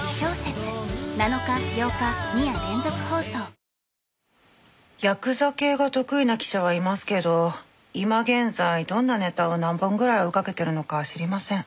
僕もサントリー「ＶＡＲＯＮ」ヤクザ系が得意な記者はいますけど今現在どんなネタを何本ぐらい追いかけてるのかは知りません。